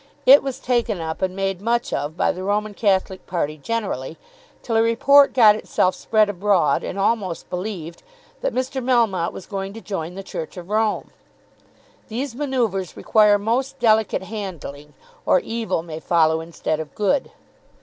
It was taken up and made much of by the Roman Catholic party generally, till a report got itself spread abroad and almost believed that Mr. Melmotte was going to join the Church of Rome. These manoeuvres require most delicate handling, or evil may follow instead of good.